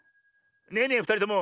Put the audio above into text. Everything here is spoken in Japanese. ねえねえふたりとも。